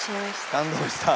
感動した。